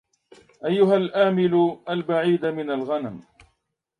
أيها الآمل البعيد من الغنم